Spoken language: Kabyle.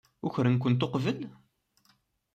Ukren-kent uqbel?